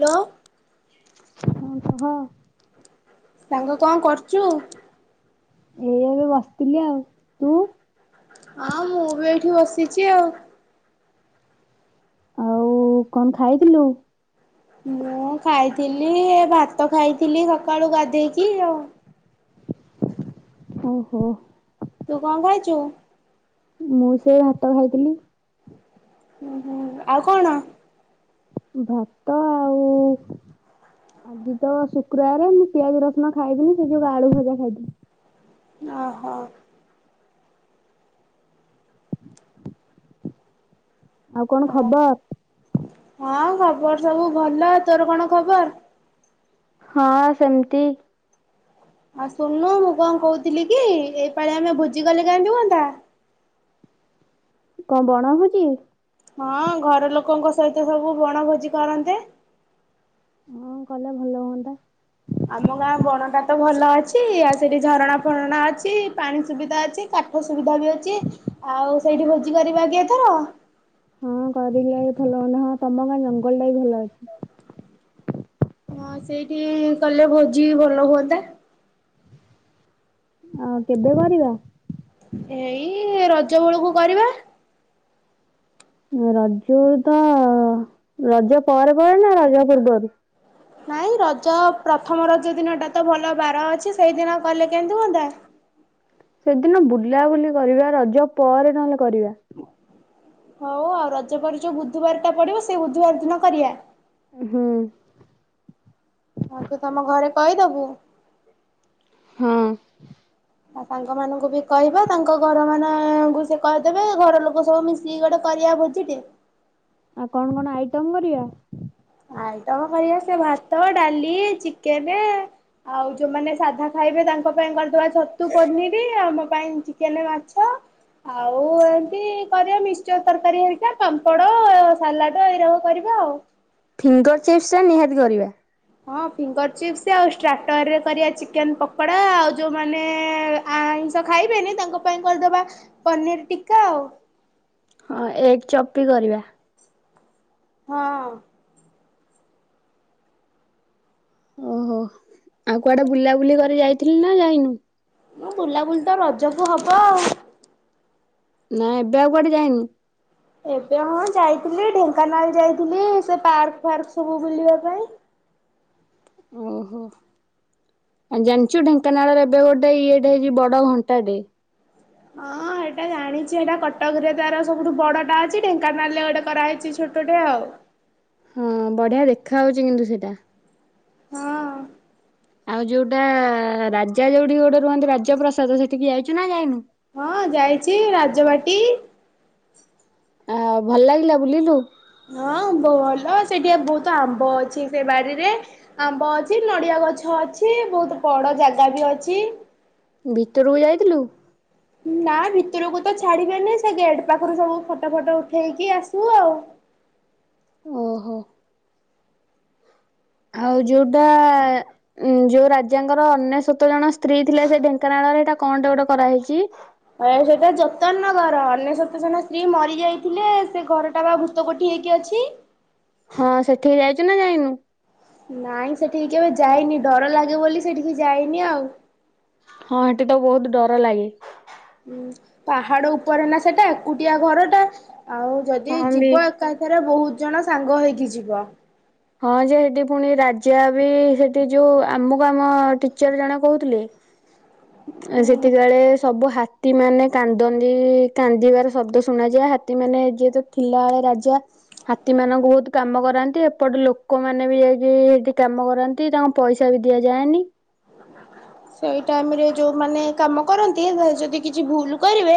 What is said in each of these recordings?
Hello. ହଁ କହ ସାଙ୍ଗ କଣ କରୁଛୁ? ଏଇ ଏବେ ବସିଥିଲି ଆଉ ତୁ? ହଁ ମୁଁ ବି ଏଇଠି ବସିଛି ଆଉ। ଆଉ କଣ ଖାଇଥିଲୁ। ମୁଁ ଖାଇଥିଲି ଭାତ ଖାଇଥିଲି ସକାଳୁ ଗାଧେଇକି ଆଉ। ଓ ହୋ ତୁ କଣ ଖାଇଚୁ? ମୁଁ ସେ ଭାତ ଖାଇଥିଲି। ହୁଁ ହୁଁ ଆଉ କଣ? ଭାତ ଆଉ ଆଜି ତ ଶୁକ୍ରବାରେ ମୁଁ ପିଆଜ ରସୁଣ ଖାଇବିନି ସେ ଯୁ ଆଳୁ ଭଜା ଖାଇଥିଲି। ଓ ହୋ ଆଉ କଣ ଖବର? ବର୍ ସବୁ ଭଲ। ତୋର କଣ ଖବର? ହଁ ସେମତି। ଆଉ ଶୁଣୁନୁ ମୁଁ କଣ କହୁଥିଲି କି ଏଇ ପାଳି ଆମେ ଭୋଜି କଲେ କେମିତି ହୁଅନ୍ତା? କଣ ବଣ ଭୋଜି? ହଁ ଘର ଲୋକଙ୍କ ସହିତ ସବୁ ବଣ ଭୋଜି କରନ୍ତେ। ହଁ କଲେ ଭଲ ହୁଅନ୍ତା। ଆମ ଗାଁ ବଣଟା ତ ଭଲ ଅଛି ଆ ସେଠି ଝରଣା ଫରଣା ଅଛି ପାଣି ସୁବିଧା ଅଛି କାଠ ସୁବିଧା ବି ଅଛି ଆଉ ସେଇଠି ଭୋଜି କରିବା କି ଏଥର? ହଁ କରିଲେ [unintelligible] ହଁ ତମ ଗାଁଆ ଜଙ୍ଗଲଟା [unintelligible] ଭଲ ଅଛି। ହଁ ସେଇଠି କଲେ ଭୋଜି ଭଲ ହୁଅନ୍ତା। ଆଉ କେବେ କରିବା? ଏଇଇଇ ରଜ ବେଳକୁ କରିବା। ରଜୁତ ରଜ ପରେ ପରେ ନା ରଜ ପୂର୍ବରୁ? ନାଇଁ ରଜ ପ୍ରଥମ ରଜ ଦିନଟା ତ ଭଲ ବାର ଅଛି ସେଇଦିନ କଲେ କେମିତି ହୁଅନ୍ତା? ସେଦିନ ବୁଲାବୁଲି କରିବା ରଜ ପରେ ନହେଲେ କରିବା। ହଉ ଆଉ ରଜ ପରେ ଯୋଉ ବୁଧବାରଟା ପଡିବ ସେଇ ବୁଧବାର ଦିନ କରିବା। ହୁଁ। ଆଉ ତୁ ତମ ଘରେ କଇଦବୁ? ହଁ। ଆଉ ସାଙ୍ଗ ମାନଙ୍କୁ ବି କହିବା ତାଙ୍କ ଘର ମାନଅଅ ଙ୍କୁ ସେ କହି ଦେବେ ଘର ଲୋକ ସବୁ ମିଶିକି ଗୋଟେ କରିଆ ଭୋଜିଟେ। ଆଉ କଣ କଣ ଆଇଟମ କରିବା? ଆଇଟମ କରିଆ ସେ ଭାତ ଡାଲି ଚିକେନ ଆଉ ଯୋଉମାନେ ସାଧା ଖାଇବେ ତାଙ୍କ ପାଇଁ କରିଦବା ଛତୁ ପନିର ଆମ ପାଇଁ ଚିକେନ ମାଛ ଆଉ ଏମିତି କରିବା ମିିକ୍ସଚର ତରକାରୀ ହରିକା ପାମ୍ପଡ଼, ସାଲାଡ଼ ଏଇରକ କରିବା ଆଉ। ଫିଙ୍ଗର୍ ଚିପ୍ସଟା ନିହାତି କରିବା। ହଁ ଫିଙ୍ଗର ଚିପ୍ସ୍ ଆଉ ଷ୍ଟ୍ରାର୍ଟରରେ କରିଆ ଚିକେନ୍ ପକୋଡା ଆଉ ଯୋଉମାନେ ଆଇଁଷ ଖାଇବେନି ତାଙ୍କ ପାଇଁ କରିଦବା ପନିର୍ ଟିକା ଆଉ। ହଁ ଏଗ୍ ଚପ୍ ବି କରିବା। ହଁଅଅ। ଓହୋଃ ଆଉ କୁଆଡେ ବୁଲାବୁଲି କରି ଯାଇଥିଲି ନା ଯାଇନୁ? ହଁ ବୁଲାବୁଲି ତ ରଜକୁ ହବ ଆଉ। ନା ଏବେ ଆଉ କୁଆଡେ ଯାଇନୁ? ଏବେ ହଁ ଯାଇଥିଲି ଢେଙ୍କାନାଳ ଯାଇଥିଲି ସେ ପାର୍କ ଫାର୍କ ସବୁ ବୁଲିବା ପାଇଁ ଓହୋଃ, ଆଉ ଜାଣିଚୁ ଢେଙ୍କାନାଳରେ ଏବେ ଗୋଟେ ଇଏଟେ ହେଇଛି ବଡ ଘଣ୍ଟାଟେ। ହଁ ଏଇଟା ଜାଣିଛି ଏଇଟା କଟକରେ ତାର ସବୁଠୁ ବଡଟା ଅଛି ଢେଙ୍କାନାଳରେ ଗୋଟେ କରାହେଇଛି ଛୋଟଟେ ଆଉ ହଁ ବଢିଆ ଦେଖା ଯାଉଛି କିନ୍ତୁ ସେଇଟା। ହଁଅଅ ଆଉ ଯୋଉଟାଆଆ ରାଜା ଯୋଉଠି ଗୋଟେ ରୁହନ୍ତି ରାଜ୍ୟପ୍ରସାଦ ସେଠିକି ଯାଇଛୁ ନା ଯାଇନୁ? ହଁ ଯାଇଛି ରାଜବାଟୀ ଆ ଭଲ ଲାଗିଲା ବୁଲିଲୁ? ହଁ ଭଲ ସେଠିଆ ବହୁତ ଆମ୍ବ ଅଛି ସେ ବାଡିରେ, ଆମ୍ବ ଅଛି ନଡିଆ ଗଛ ଅଛି ବହୁତ ବଡ ଜାଗା ବି ଅଛି। ଭିତରକୁ ଯାଇଥିଲୁ? ନା ଭିତୁରକୁ ତ ଛାଡିବେନି ସେ ଗେଟ୍ ପାଖରୁ ସବୁ ଫଟୋଫଟ ଉଠେଇକି ଆସୁ ଆଉ ଓହୋ। ଆଉ ଯୋଉଟା ଉଁ ଯୋଉ ରାଜାଙ୍କର ଅନେଶତ ଜଣ ସ୍ତ୍ରୀ ଥିଲେ ସେ ଢେଙ୍କାନାଳରେ ଏଇଟା କଣଟେ ଗୋଟେ କରାହେଇଛି? ଅ ସେଟା ଯତନ ନଗର ଅନେଶତ ଜଣ ସ୍ତ୍ରୀ ମରିଯାଇଥିଲେ ସେ ଘରଟା ବା ଭୂତକୋଠି ହେଇକି ଅଛି। ହଁ ସେଠିକି ଯାଇଛୁ ନା ଯାଇନୁ? ନାଇଁ ସେଠିକି କେବେ ଯାଇନି ଡର ଲାଗେ ବୋଲି ସେଠିକି ଯାଇନି ଆଉ। ହଁ ଠେଠି ତ ବହୁତ ଡର ଲାଗେ। ଉଁ ପାହାଡ ଉପରେ ନା ସେଟା ଏକୁଟିଆ ଘରଟା ଆଉ ଯଦି ହଁ ବି ଯିବ ଏକାଥରେ ବହୁତ୍ ଜଣ ସାଙ୍ଗ ହେଇକି ଯିବ। ହଁ ଯେ ହେଠି ପୁଣି ରାଜା ବି ସେଠି ଯୋଉ ଆମକୁ ଆମ ଟିଚର୍ ଜଣ କୋହୁଥୁଲେ ହୁଁ ସେତିକାଳେ ସବୁ ହା ତୀ ମାନେ କାନ୍ଦନ୍ତିି କାନ୍ଦିବାର ଶବ୍ଦ ଶୁଣାଯାଏ ହାତୀମାନୋନେ ଯେେତ ଥିଲାବେଳେ ରାଜା ହାତୀ ମାନଙ୍କୁ ବହୁତ କାମ କରାନ୍ତି ଏ ପଟେ ଲୋକମାନୋନେ ବି ଯାଇକି ସେଠି କାମ କରନ୍ତି ତାଙ୍କୁ ପଇସା ବି ଦିଆଯାଏନି। ସେଇ ଟାଇମ ରେ ଯୋଉମାନୋନ କାମ କରନ୍ତି ଯଦି କିଛି ଭୁଲ କରିବେ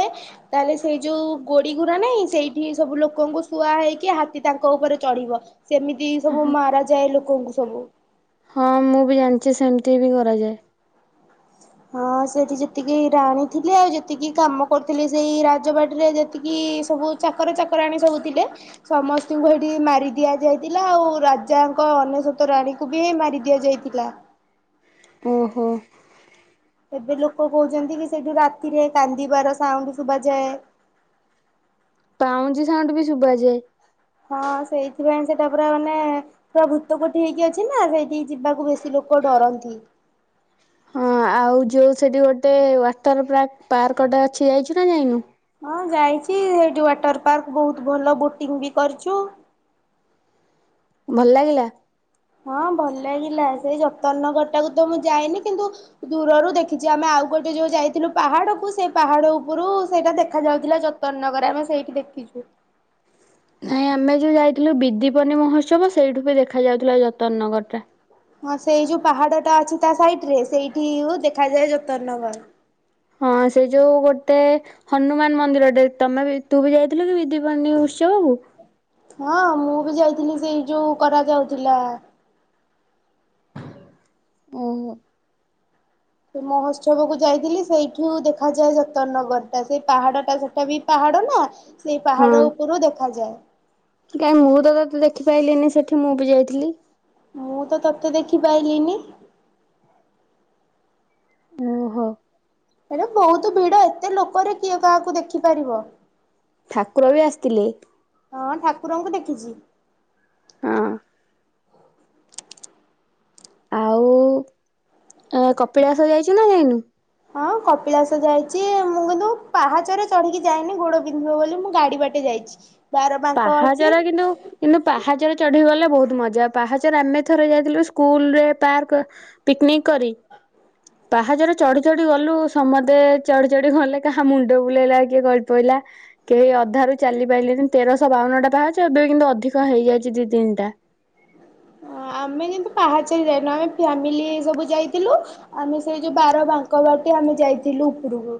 ତାହେଲେ ସେଇ ଯୋଉ ଗୋଡିଗୋୁରା ନାହିଁ ସେଇଠି ସବୁ ଲୋକଙ୍କୁ ଶୁଆ ହେଇକି ହାତୀ ତାଙ୍କ ଉପରେ ଚଢିବ। ସେମିତି ସବୁ ମାରା ଯାଏ ଲୋକଙ୍କୁ ସବୁ। କିଛି ସେମିତି ବି କରାଯାଏ। ହଁ ସେଠି ଯେତିକି ରାଣୀ ଥିଲେ ଆଉ ଯେତିକି କାମ କରୁଥିଲେ ସେଇ ରାଜବାଟରେ ଯେତିକି ସବୁ ଚାକର ଚାକରାଣୀ ସବୁ ଥିଲେ ସମସ୍ତଙ୍କୁ ସେଇଠି ମାରି ଦିଆ ଯାଇଥିଲା। ଆଉ ରାଜାଙ୍କ ଅନେଶତ ରାଣୀଙ୍କୁ ବି ମାରି ଦିଆ ଯାଇଥିଲା। ଓହୋ। ଏବେ ଲୋକ କହୁଛନ୍ତି କି ସେଇଠୁ ରାତିରେ କାନ୍ଦିବାର ସାଉଣ୍ଡ ଶୁଭାଯାଏ। ପାଉଁଜି ସାଉଣ୍ଡ ବି ଶୁଭାଯାଏ। ହଁ ସେଇଥିପାଇଁ ସେଟା ପୁରା ମାନେ ପୁରା ଭୂତ କୋଠି ହେଇକି ଅଛି ନା ସେଇଠିକି ଯିବାକୁ ବେଶୀ ଲୋକ ଡରନ୍ତି। ହଉ ଯୋଉ ସେଠି ଗୋଟେ ୱାଟର ପାର୍କ ପାର୍କଟେ ଅଛି ଯାଇଚୁନା ଯାଇନୁ? ହଁ ଯାଇଚି ସେଇଠି ୱାଟର ପାର୍କ ବୋହୁତ୍ ଭଲ ବୋଟିଂ ବି କରିଚୁ। ଭଲ୍ ଲାଗିଲା? ହଁ ଭଲ ଲାଗିଲା ସେଇ ଯତନ ନଗର ଟାକୁ ତ ମୁଁ ଯାଇନି କିନ୍ତୁ ଦୂରରୁ ଦେଖିଛି ଆମେ ଆଉ ଗୋଟେ ଯୋଉ ଯାଇଥିଲୁ ପାହାଡକୁ ସେଇ ପାହାଡ ଉପରୁ ସେଇଟା ଦେଖା ଯାଉଥିଲା ଯତନ ନଗର ଆମେ ସେଇଠି ଦେଖିଚୁ। ନାଇଁ ଆମେ ଯୋଉ ଯାଇଥିଲୁ ବିଦିପନୀ ମହୋତ୍ସବ ସେଇଠୁ ବି ଦେଖାଯ ଯାଉଥିଲା ଯତନ ନଗର ଟା। ହଁ ସେଇ ଯୋଉ ପାହାଡ ଟା ଅଛି ତା ସାଇଡ ରେ ସେଇଠି ଦେଖାଯାଏ ଜୋତନ ନଗର୍। ହଁ ସେ ଯୋଉ ଗୋଟେ ହନୁମାନ୍ ମନ୍ଦିରଟେ ତମେ ବି ତୁ ବି ଯାଇଥିଲୁ କି ବିଧିପନି ଉ ହଁ ମୁଁ ବି ଯାଇ ଥିଲ ସେଇ ଯୋଉ କରାଯାଉଥିଲା। ଓହୋ। ସେ ମହୋତ୍ସବ କୁ ଯାଇଥିଲି ସେଇଠୁ ଦେଖାଯାଏ ଯତନ ନଗର ଟା ସେଇ ପାହାଡ ଟା ସେଟା ବି ପାହାଡ ନା ସେଇ ହଁ ପାହାଡ଼ ଉପରୁ ଦେଖାଯାଏ। କାଇଁ ମୁଁ ତ ତତେଦେଖିପଲିିନି ସେଠି ମୁଁ ବି ଯାଇଥିଲି। ମୁଁ ତ ତତେ ଦେଖିପାଇଲିନି। ଉଁ ହୋ। ହେଲେ ବହୁତ ଭିଡ ଏତେ ଲୋକରେ କିଏ କାହାକୁ ଦେଖିପାରିବ। ଠାକୁର ବି ଆସିଥିଲେ ହଁ ଠାକୁରଙ୍କୁ ଦେଖିଚି। ହଁ। ଆଉ କପିଳାସ ଯାଇଛୁ ନା ଯାଇନୁ? ହଁ କପିଳାସ ଯାଇଚି ମୁଁ କିନ୍ତୁ ପାହାଚରେ ଚଢିକି ଯାଇନି ଗୋଡ ବିନ୍ଧିବ ବୋଲି ମୁଁ ଗାଡି ବାଟେ ଯାଇଚି ପାହାଚର କିନ୍ତୁ କିନ୍ତୁ ପାହାଚର ଚଢି ଗଲେ ବହୁତ ମଜା ପାହାଚରେ ଆମେ ଥରେ ଯାଇଥିଲୁ ସ୍କୁଲରେ ପାର୍କ ପିକନିକ କରି ପାହାଚରେ ଚଢି ଚଢି ଗଲୁ ସମସ୍ତେ ଚଢି ଚଢି ଗଲେ କାହା ମୁଣ୍ଡ ବୁଲେଇଲା କିଏ ଗଳି ପଇଲା କେହି ଅଧାରୁ ଚାଲି ପାଇିଲେନି। ତେରଶହ ବାଉନଟା ପାହାଚ ଏବେ କିନ୍ତୁ ଅଧିକ ହେଇଯାଇଛି ଦି ତିନିଟା। ଆମେ କିନ୍ତୁ ପାହାଚାରେ ଯାଇନୁ ଆମେ ଫ୍ୟାମିଲି ସବୁ ଯାଇଥିଲୁ ଆମେ ସେଇ ଯୋଉ ବାର ବାଙ୍କ ବାଟେ ଆମେ ଯାଇଥିଲୁ ଉପରକୁ।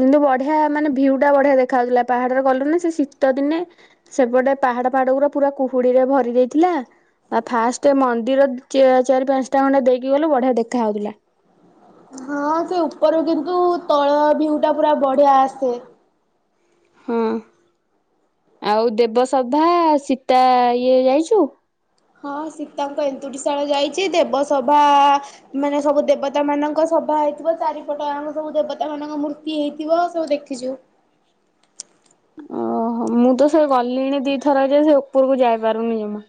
କିନ୍ତୁ ବଢିଆ ମାନେ ଭିଉଟା ବଢିଆ ଦେଖା ଯାଉଥିଲା ପାହାଡରେ ଗଲୁ ନା ସେ ଶୀତ ଦିନେ ସେପଟେ ପାହାଡ ପାହାଡ ଗୁର ପୁରା କୁହୁଡିରେ ଭରି ଦେଇଥିଲା ଆଉ ଫାଷ୍ଟ ମନ୍ଦିର ଚାରି ପାଞ୍ଚଟା ଖଣ୍ଡେ ଦେଇକି ଗଲୁ ବଢିଆ ଦେଖାଉଥିଲା। ହଁ ସେ ଉପରୁ କିନ୍ତୁ ତଳ ଭିଉଟା ପୁରା ବଢିଆ ଆସେ। ହଁ ଆଉ ଦେବସଭା ସୀତା ଇଏ ଯାଇଛୁ। ହଁ ସୀତାଙ୍କ ଏନ୍ତୁଡ଼ିଶାଳ ଯାଇଛି ଦେବ ସଭା ମାନେ ସବୁ ଦେବତା ମାନଙ୍କ ସଭା ହେଇଥିବ ଚାରିପଟ ଯାକ ସବୁ ଦେବତା ମାନଙ୍କ ମୂର୍ତ୍ତି ହେଇଥିବ ସବୁ ଦେଖିଛୁ। ଓହୋ ମୁଁ ତ ସେ ଗଲିଣି ଦିଥର ଯେ ସେ ଉପରକୁ ଯାଇପାରୁନି ଜମା।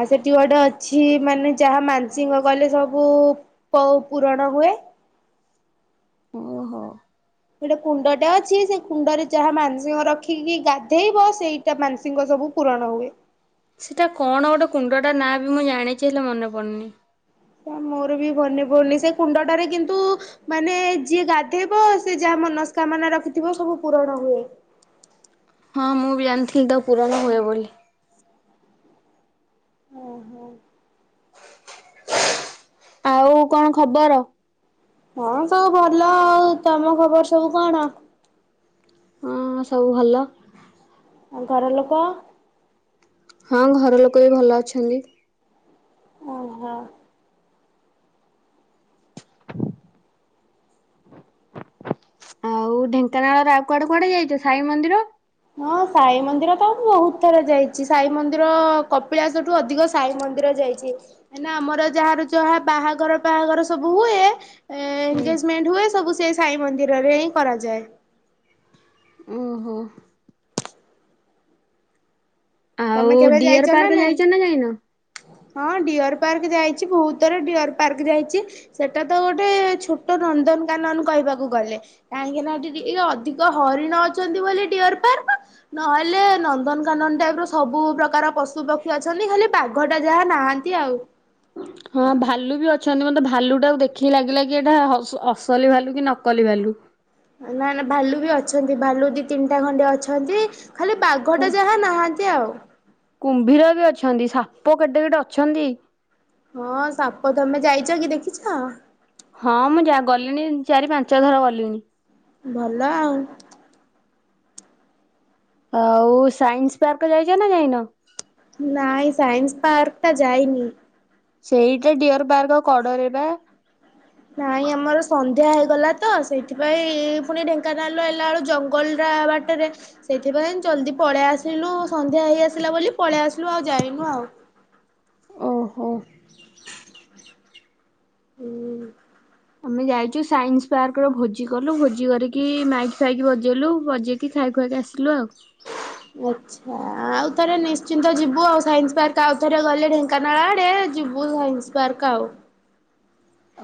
ଆଉ ସେଠି ଗୋଟେ ଅଛି ମାନେ ଯାହା ମାନସିକ କଲେ ସବୁ ପ ପୂୁରଣ ହୁଏ। ଓହୋ। ଗୋଟେ କୁଣ୍ଡଟେ ଅଛି ସେ କୁଣ୍ଡରେ ଯାହା ମାନସିକ ରଖିକି ଗାଧେଇବ ସେଇଟା ମାନସିକ ସବୁ ପୂରଣ ହୁଏ। ସେଟା କଣ ଗୋଟେ କୁଣ୍ଡଟା ନାଁ ବି ମୁଁ ଜାଣିଛି ହେଲେ ମନେ ପଡୁନି। ମୋର ବି ମନେ ପଡୁନି ସେ କୁଣ୍ଡଟାରେ କିନ୍ତୁ ମାନେ ଯିଏ ଗାଧେଇବ ସେ ଯାହା ମନସ୍କାମନା ରଖିଥିବ ସବୁ ପୂରଣ ହୁଏ। ହଁ ମୁଁ ବି ଜାଣିଥିଲି ତ ପୂରଣ ହୁଏ ବୋଲି। ଓହୋ। ଆଉ କଣ ଖବର? ହଁ ସବୁ ଭଲ ଆଉ ତମ ଖବର ସବୁ କଣ? ହଁ ସବୁ ଭଲ। ଆଉ ଘର ଲୋକ। ହଁ ଘର ଲୋକ ବି ଭଲ ଅଛନ୍ତି। ଅ ହ। ଆଉ ଢେଙ୍କାନାଳର ଆଉ କୁଆଡେ କୁଆଡେ ଯାଇଛ ସାଇ ମନ୍ଦିର। ହଁ ସାଇ ମନ୍ଦିର ତ ବହୁତ ଥର ଯାଇଛି। ସାଇ ମନ୍ଦିର କପିଳାସଠୁ ଅଧିକ ସାଇ ମନ୍ଦିର ଯାଇଛି କାଇଁନାଁ ଆମର ଯାହାର ଯାହା ବାହାଘର ପାହାଘର ସବୁ ହୁଏ ହୁଁ। ଏଗେଜମେଣ୍ଟ ହୁଏ ସବୁ ସେଇ ସାଇ ମନ୍ଦିରରେ ହିଁ କରାଯାଏ। ଓହୋ। ଆଉ ତମେ କେବେ ଡିଅର ଯାଇଛ ନା ପାର୍କ ନାଇଁ ଯାଇଛ ଯାଇନ? ହଁ ଡିଅର ପାର୍କ ଯାଇଛି ବହୁତଥର ଡିଅର ପାର୍କ ଯାଇଛି ସେଟା ତ ଗୋଟେ ଛୋଟ ନନ୍ଦନକାନନ କହିବାକୁ ଗଲେ କାହିଁକିନା ଏଠି ଟିକେ ଅଧିକ ହରିଣ ଅଛନ୍ତି ବୋଲି ଡିଅର ପାର୍କ ନହେଲେ ନନ୍ଦନକାନନ ଟାଇପ୍ ର ସବୁ ପ୍ରକାର ପଶୁ ପକ୍ଷୀ ଅଛନ୍ତି ଖାଲି ବାଘଟା ଯାହା ନାହାନ୍ତି ଆଉ। ହଁ ଭାଲୁ ବି ଅଛନ୍ତି ମତେ ଭାଲୁଟା ଦେଖିକି ଲାଗିଲା କି ଏଇଟା ଅସଲି ଭାଲୁ କି ନକଲି ଭାଲୁ। ନା ନା ଭାଲୁ ବି ଅଛନ୍ତି ଭାଲୁ ଦି ତିନିଟା ଖଣ୍ଡେ ଅଛନ୍ତି ଖାଲି କୁ ବାଘଟା ଯାହା ନାହାନ୍ତି ଆଉ। କୁମ୍ଭୀର ବି ଅଛନ୍ତି ସାପ କେଡେ କେଡେ ଅଛନ୍ତି। ହଁ ସାପ ତମେ ଯାଇଛ କି ଦେଖିଛ। ହଁ ମୁଁ ଯା ଗଲିଣି ଚାରି ପାଞ୍ଚ ଥର ଗଲିଣିି। ଭଲ ଆଉ। ଆଉ ସାଇନ୍ସ ପାର୍କ ଯାଇଛ ନା ଯାଇନ। ନାଇଁ ସାଇନ୍ସ ପାର୍କଟା ଯାଇନି। ସେଇଟା ଡିଅର ପାର୍ଗ କଡରେ ବା। ନାଇଁ ଆମର ସନ୍ ସନ୍ଧ୍ୟା ହେଇଗଲା ତ ସେଇଥିପାଇଁ ପୁଣି ଢେଙ୍କାନାଳ ହେଲା ବେଳୁ ଜଙ୍ଗଲଟା ବାଟରେ ସେଇଥିପାଇଁ ଜଲ୍ଦି ପଳେଇ ଆସିଲୁ। ସନ୍ଧ୍ୟା ହେଇ ଆସିଲା ବୋଲି ପଳେଇ ଆସିଲୁ ଆଉ ଯାଇନୁ ଆଉ। [inaudible] ହୁଁ। ଆମେ ଯାଇଛୁ ସାଇନ୍ସ ପାର୍କର ଭୋଜି କଲୁ ଭୋଜି କରିକି ମାଇକି ଫାଇକି ବଜେଇଲୁ ବଜେଇକି ଖାଇ ଖୁଆକି ଆସିଲୁ ଆଉ। ଆଚ୍ଛା ଆଉ ଥରେ ନିଶ୍ଚିନ୍ତ ଯିବୁ ଆଉ ସାଇନ୍ସ ପାର୍କ ଆଉ ଥରେ ଗଲେ ଢେଙ୍କାନାଳ ଆଡେ ଯିବୁ ସାଇନ୍ସ୍ ପାର୍କ ଆଉ।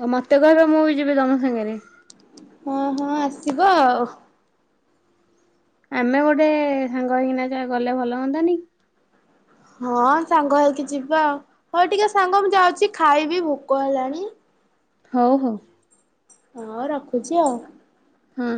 ଆଉ ମତେ କହିବ ମୁଁ ବି ଯିବି ତମ ସାଙ୍ଗେରେ। ହଁ ହଁ ଆସିବ ଆଉ। ଆମେ ଗୋଟେ ସାଙ୍ଗ ହେଇକିନା ଯେ ଗଲେ ଭଲ ହୁଅନ୍ନ୍ତାନି। ହଁ ସାଙ୍ଗ ହେକି ଯିବା ଆଉ ହଉ ଟିକେ ସାଙ୍ଗ ମୁଁ ଯାଉଛି ଖାଇବି ଭୋକ ହେଲାଣି। ହଉ ହଉ। ହଁ ରଖୁଛି ଆଉ। ହଁ।